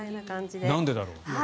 なんでだろう。